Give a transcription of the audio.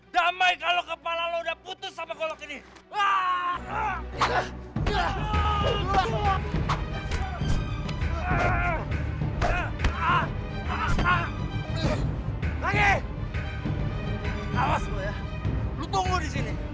damai kalau kepala lu udah putus sama golok ini